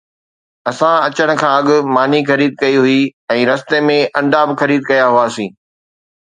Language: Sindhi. اسان اچڻ کان اڳ ماني خريد ڪئي هئي ۽ رستي ۾ انڊا به خريد ڪيا هئاسين